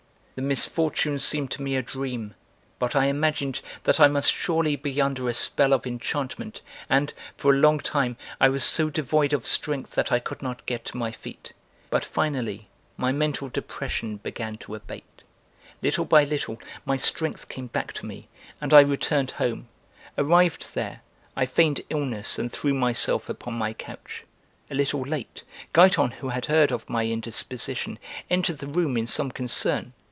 (The misfortune seemed to me a dream, but I imagined that I must surely be under a spell of enchantment and, for a long time, I was so devoid of strength that I could not get to my feet. But finally my mental depression began to abate, little by little my strength came back to me, and I returned home: arrived there, I feigned illness and threw myself upon my couch. A little late: Giton, who had heard of my indisposition, entered the room in some concern.